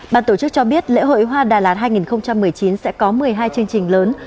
ban tổ chức cho biết lễ hội hoa đà lạt hai nghìn một mươi chín sẽ có một mươi hai chương trình lớn